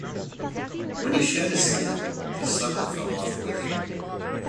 When he shed his skin, the sucker fell off with it.